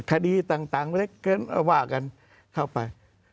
คดีต่างวากันเข้าไป